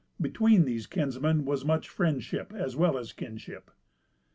Between these kinsmen was much friendship as well as kinship.